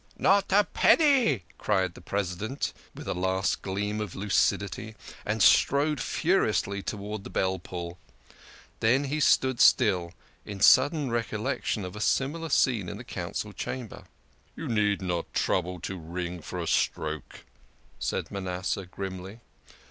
"" Not a penny !" cried the President, with a last gleam of lucidity, and strode furiously towards the bell pull. Then he stood still in sudden recollection of a similar scene in the Council Chamber. " You need not trouble to ring for a stroke," said Manas seh grimly.